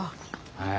はい。